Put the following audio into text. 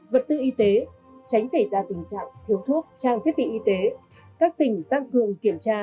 vật tư y tế tránh xảy ra tình trạng thiếu thuốc trang thiết bị y tế các tỉnh tăng cường kiểm tra